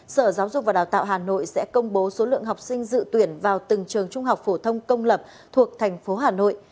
sở giáo dục và đào tạo hà nội sẽ công bố số lượng học sinh dự tuyển vào từng trường trung học phổ thông công lập thuộc thành phố hà nội